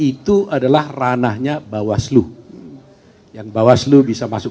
ini pada dari sidang proses antara prakti falseaflux kol lampung dan accompl tanto di praca normatif